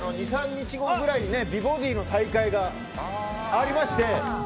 ２３日後ぐらいに美ボディーの大会がありまして。